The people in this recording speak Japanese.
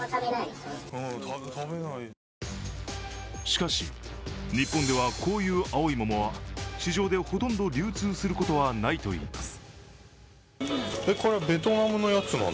しかし日本では、こういう青い桃は市場でほとんど流通することはないといいます。